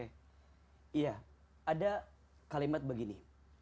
iya ada kalimat begini